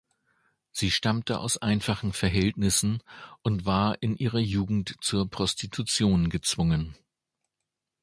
Sie stammte aus einfachen Verhältnissen und war in ihrer Jugend zur Prostitution gezwungen.